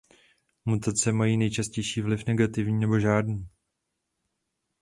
Mutace mají nejčastěji vliv negativní nebo žádný.